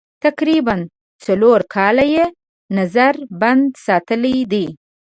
تقریباً څلور کاله یې نظر بند ساتلي دي.